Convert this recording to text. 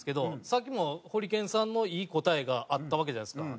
さっきもホリケンさんのいい答えがあったわけじゃないですか。